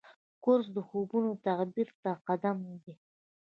کورس د خوبونو تعبیر ته قدم دی.